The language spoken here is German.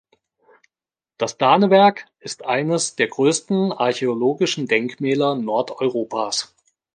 Das Danewerk ist eines der größten archäologischen Denkmäler Nordeuropas.